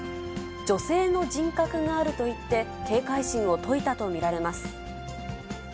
女性の人格があると言って、警戒心を解いたと見られます。